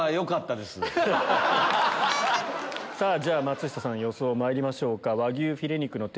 松下さん予想まいりましょうか。